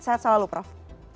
sehat selalu prof